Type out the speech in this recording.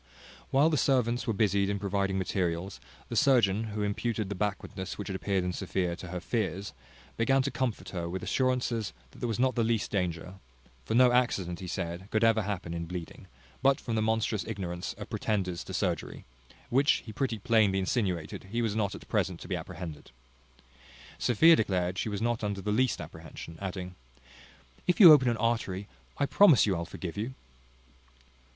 While the servants were busied in providing materials, the surgeon, who imputed the backwardness which had appeared in Sophia to her fears, began to comfort her with assurances that there was not the least danger; for no accident, he said, could ever happen in bleeding, but from the monstrous ignorance of pretenders to surgery, which he pretty plainly insinuated was not at present to be apprehended. Sophia declared she was not under the least apprehension; adding, "If you open an artery, I promise you I'll forgive you."